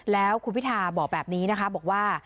แล้วคุณพิทาบอกแบบนี้นะคะบอกว่า